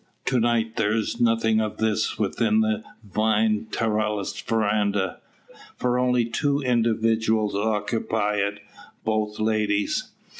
To night there is nothing of this within the vine trellised verandah; for only two individuals occupy it, both ladies.